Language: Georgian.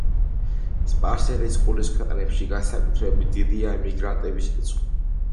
სპარსეთის ყურის ქვეყნებში, განსაკუთრებით დიდია ემიგრანტების რიცხვი.